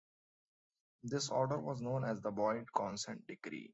This order was known as the Boyd Consent Decree.